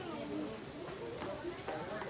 พวกเขาถ่ายมันตรงกลาง